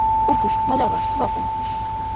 Ukush mallaqnar suqakun.